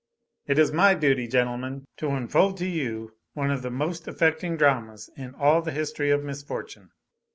"It is my duty, gentlemen, to unfold to you one of the most affecting dramas in all the history of misfortune.